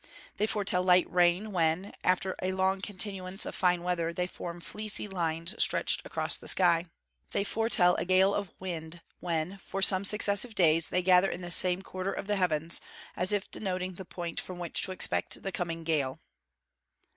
They foretell light rain when, after a long continuance of fine weather, they form fleecy lines stretched across the sky. They foretell a gale of wind when, for some successive days, they gather in the same quarter of the heavens, as if denoting the point from which to expect the coming gale.